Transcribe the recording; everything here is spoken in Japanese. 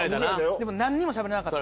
でも何もしゃべれなかった。